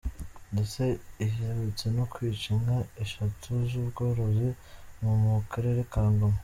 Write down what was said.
Ndetse iherutse no kwica inka esheshatu z’ ubworozi wo mu karere ka Ngoma.